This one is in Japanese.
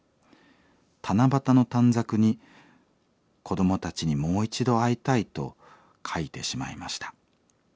七夕の短冊に『子どもたちにもう一度会いたい』と書いてしまいました。